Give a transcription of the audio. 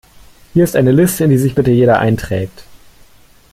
Hier ist eine Liste, in die sich bitte jeder einträgt.